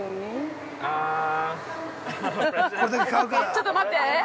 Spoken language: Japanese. ◆ちょっと待って。